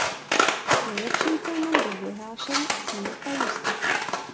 Nejlepším filmem byl vyhlášen snímek Tajnosti.